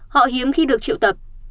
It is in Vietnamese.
họ hiếm khi được triệu tập